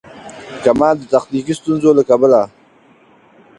کمال د تخنیکي ستونزو له کبله.